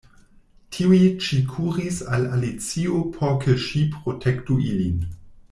Tiuj ĉi kuris al Alicio por ke ŝi protektu ilin.